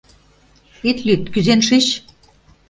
Ит лӱд, кӱзен шич.